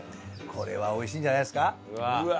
これは美味しいんじゃないですか？